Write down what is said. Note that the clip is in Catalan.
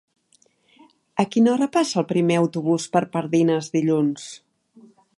A quina hora passa el primer autobús per Pardines dilluns?